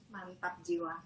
menarik banget jiwa